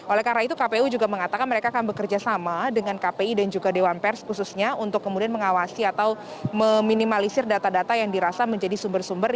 oleh karena itu kpu juga mengatakan mereka akan bekerja sama dengan kpi dan juga dewan pers khususnya untuk kemudian mengawasi atau meminimalisir data data yang dirasa menjadi sumber sumber